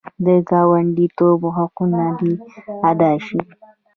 د ګاونډیتوب حقونه دې ادا شي.